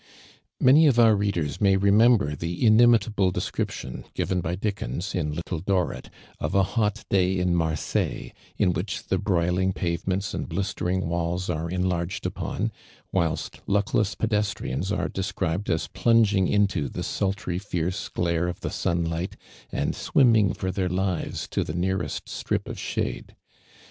Many of our readers may remember the inimitable ilesciiption given by Dickens, in Little Dorrit, of a hot day in Marseilles, in wliieh the broiling pavements and blistering walls aie enlarged upon, whilst luckless jtedestrians are desciibed as plunging into the sultry fierce glare of the sunlight, and I swimming for their lives to the nearest strip of shade.